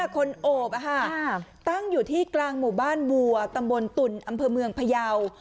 คนโอบตั้งอยู่ที่กลางหมู่บ้านวัวตำบลตุ่นอำเภอเมืองพยาว